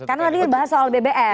karena tadi dia bahas soal bbm